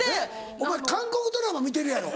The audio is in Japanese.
お前韓国ドラマ見てるやろ。